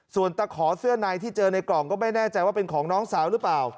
ส่วนตะขอเสื้อในที่เจอในกล่องก็ไม่แน่ใจว่าเป็นของน้องสาวหรือเปล่า